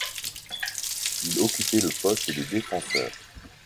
Il occupait le poste de défenseur.